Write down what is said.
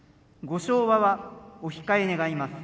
ご唱和はお控え願います。